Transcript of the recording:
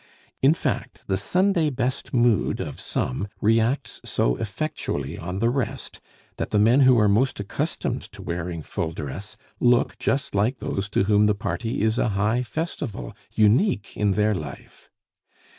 In fact, the Sunday best mood of some reacts so effectually on the rest that the men who are most accustomed to wearing full dress look just like those to whom the party is a high festival, unique in their life.